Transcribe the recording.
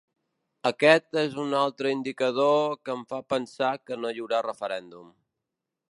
Aquest és un altre indicador que em fa pensar que no hi haurà referèndum.